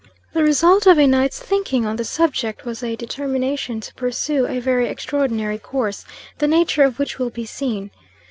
The result of a night's thinking on the subject was a determination to pursue a very extraordinary course, the nature of which will be seen.